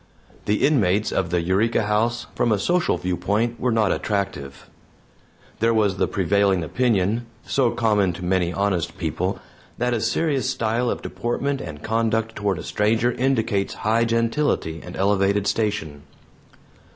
The inmates of the Eureka House, from a social viewpoint, were not attractive. There was the prevailing opinion so common to many honest people that a serious style of deportment and conduct toward a stranger indicates high gentility and elevated station.